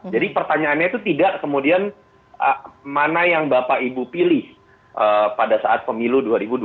jadi pertanyaannya itu tidak kemudian mana yang bapak ibu pilih pada saat pemilu dua ribu dua puluh empat